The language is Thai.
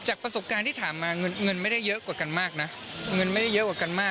จากประสบการณ์ที่ถามมาเงินไม่ได้เยอะกว่ากันมากนะ